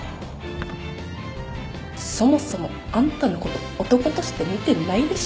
そもそもあんたのこと男として見てないでしょ